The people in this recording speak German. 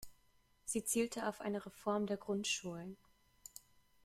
Sie zielte auf eine Reform der Grundschulen.